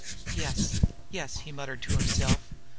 "Yes, yes!" he, muttered to himself.